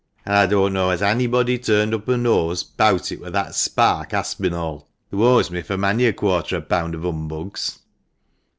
And I don't know as annybody turned up a nose bout it wur that spark Aspinall, who owes me for manny a quarter a pound of humbugs."